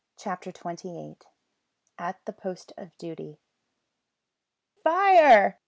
CHAPTER TWENTY EIGHT. AT THE POST OF DUTY. Fire!